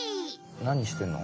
何してんの？